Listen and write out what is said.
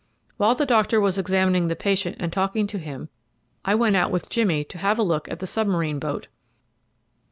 While the doctor was examining the patient and talking to him, I went out with Jimmy to have a look at the submarine boat.